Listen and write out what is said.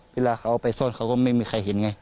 เวลาเขาไปซ่อนเขาก็ไม่มีใครเห็นไง